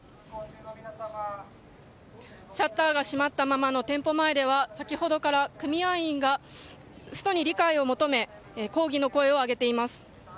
シャッターが閉まったままの店舗前では先ほどから、組合員がストに理解を求め抗議の声を上げています。